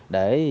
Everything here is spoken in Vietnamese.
để xử lý rác